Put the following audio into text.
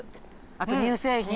あと乳製品。